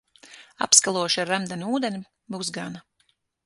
Apskalošu ar remdenu ūdeni, būs gana.